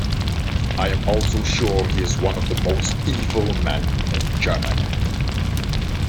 I am also sure he is one of the most evil men in Germany.